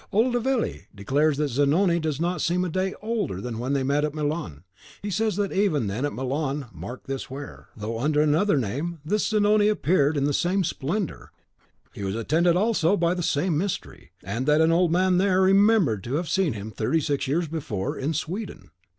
Old Avelli declares that Zanoni does not seem a day older than when they met at Milan. He says that even then at Milan mark this where, though under another name, this Zanoni appeared in the same splendour, he was attended also by the same mystery. And that an old man THERE remembered to have seen him sixty years before, in Sweden."